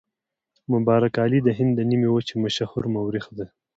مبارک علي د هند د نیمې وچې مشهور مورخ دی.